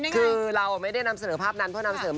ขนาดที่๕และ๑โน้ม